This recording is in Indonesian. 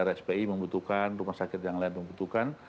jadi supaya rspi membutuhkan rumah sakit yang lain membutuhkan